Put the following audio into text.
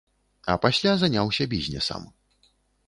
А пасля заняўся бізнесам.